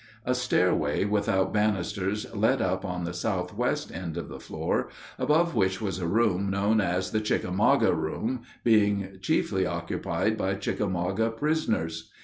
A stairway without banisters led up on the southwest end of the floor, above which was a room known as the "Chickamauga room," being chiefly occupied by Chickamauga prisoners.